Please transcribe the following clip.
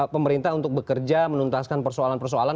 pemerintah untuk bekerja menuntaskan persoalan persoalan